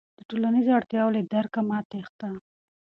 د ټولنیزو اړتیاوو له درکه مه تېښته.